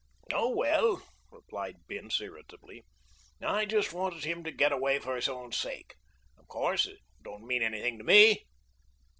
"Oh, well," replied Bince irritably, "I just wanted him to get away for his own sake. Of course, it don't mean anything to me."